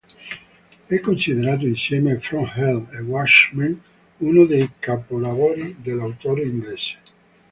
È considerato, insieme a "From Hell" e "Watchmen", uno dei capolavori dell'autore inglese.